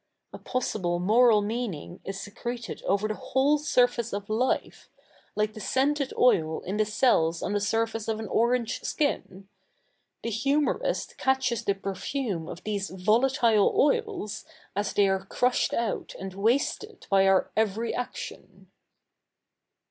A possible moral mea?iing is sec?'eted over the whole suiface of life, like the scented oil in the cells on the surface of an orange ski?i. The humourist catches the pe?fume of these volatile oils, as they ai e ci'ushed out and wasted by our every action.